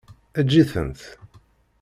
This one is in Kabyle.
Eǧǧ-itent.